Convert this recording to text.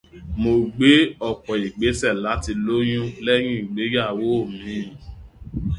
Mo gbé ọ̀pọ̀ ìgbésẹ̀ láti lóyún lẹ́yìn ìgbeyàwó mi.